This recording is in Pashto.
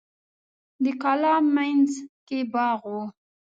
د کلا مینځ کې باغ و.